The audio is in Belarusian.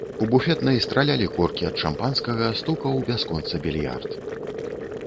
У буфетнай стралялі коркі ад шампанскага, стукаў бясконца більярд.